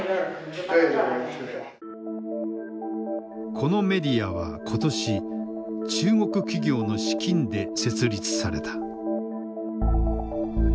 このメディアは今年中国企業の資金で設立された。